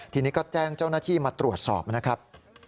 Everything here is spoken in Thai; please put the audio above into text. ทีนี้ก็แจ้งเจ้าหน้าที่มาตรวจสอบนะครับ